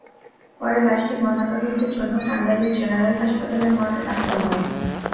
পরে লাশটি ময়নাতদন্তের জন্য টাঙ্গাইলের জেনারেল হাসপাতালে মর্গে পাঠানো হয়।